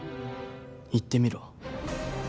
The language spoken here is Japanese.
言ってみろ。